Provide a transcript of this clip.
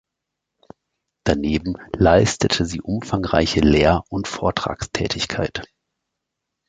Daneben leistete sie umfangreiche Lehr- und Vortragstätigkeit.